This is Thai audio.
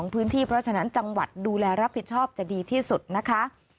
พื้นที่เพราะฉะนั้นจังหวัดดูแลรับผิดชอบจะดีที่สุดนะคะ